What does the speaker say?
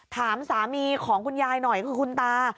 ถามสามีของคุณยายหน่อยคือคุณตา